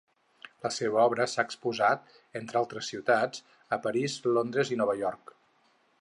La seva obra s’ha exposat, entre altres ciutats, a París, Londres i Nova York.